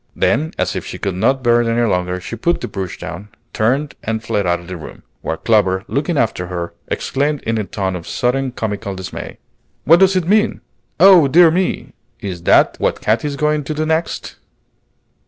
Then, as if she could not bear it any longer, she put the brush down, turned, and fled out of the room; while Clover, looking after her, exclaimed in a tone of sudden comical dismay, "What does it mean? Oh, dear me! is that what Katy is going to do next?"